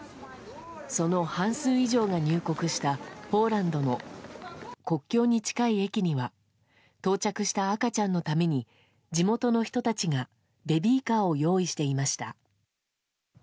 その半数以上が入国したポーランドの国境の近くの駅には到着した赤ちゃんのために地元の人たちがベビーカーを用意していました。